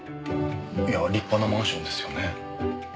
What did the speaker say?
いやあ立派なマンションですよね。